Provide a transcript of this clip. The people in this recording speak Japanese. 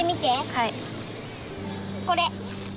はいこれ！